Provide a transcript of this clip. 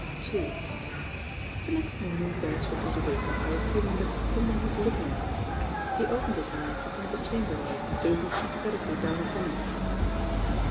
The next morning Beresford was awakened by a feeling that some one was looking at him. He opened his eyes to find the chambermaid gazing sympathetically down upon him.